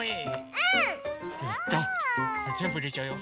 うん！じゃぜんぶいれちゃうよ。